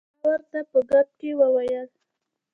ما ورته په ګپ کې وویل.